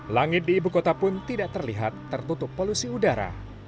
langit di ibu kota pun tidak terlihat tertutup polusi udara